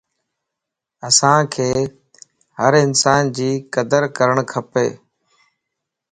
اسانک ھر انسان جي قدر ڪرڻ کپ